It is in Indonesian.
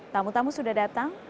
tamu tamu sudah datang